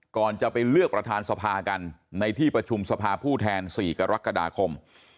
ก่อนจะไปเลือกประธานสภากันในที่ประชุมสภาผู้แทน๔กรกฎาคม